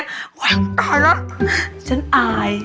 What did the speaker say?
โหยตายแล้วฉันอาย